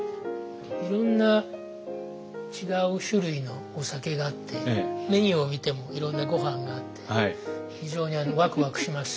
いろんな違う種類のお酒があってメニューを見てもいろんなご飯があって非常にワクワクしますし。